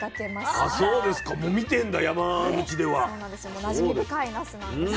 もうなじみ深いなすなんですよ。